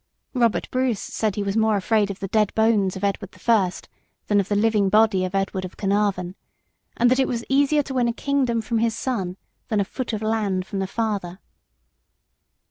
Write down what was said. Robert Bruce said he was more afraid of the dead bones of Edward the First than of the living body of Edward of Caernarvon, and that it was easier to win a kingdom from his son than a foot of land from the father.